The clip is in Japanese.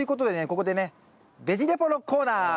ここでね「ベジ・レポ」のコーナー！